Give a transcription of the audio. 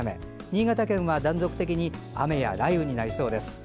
新潟県は断続的に雨や雷雨になりそうです。